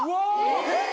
えっ！